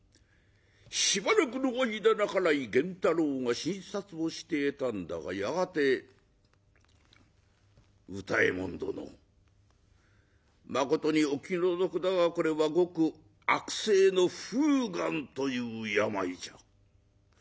しばらくの間半井源太郎が診察をしていたんだがやがて「歌右衛門殿まことにお気の毒だがこれはごく悪性の風眼という病じゃ。